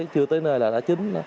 chưa tới nơi là đã chín